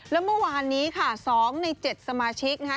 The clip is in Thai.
แล้วเมื่อวานนี้ค่ะ๒ใน๗สมาชิกนะคะ